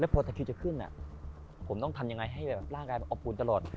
แล้วพอแตะคิวจะขึ้นอ่ะผมต้องทำยังไงให้แบบร่างกายมันอบบุญตลอด